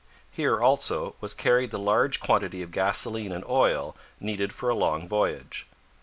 Here, also, was carried the large quantity of gasoline and oil needed for a long voyage.